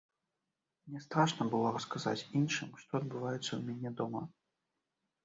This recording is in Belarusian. Мне страшна было расказаць іншым, што адбываецца ў мяне дома.